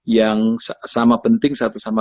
yang sama penting satu sama